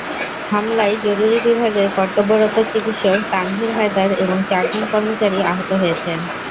হামলায় জরুরি বিভাগে কর্তব্যরত চিকিৎসক তানভির হায়দার এবং চারজন কর্মচারী আহত হয়েছেন।